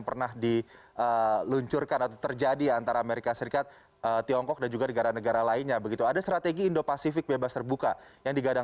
pertanyaan dari pertanyaan pertanyaan